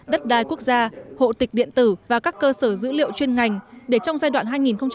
đất đai quốc gia hộ tịch điện tử và các cơ sở dữ liệu chuyên ngành để trong giai đoạn hai nghìn hai mươi hai nghìn hai mươi năm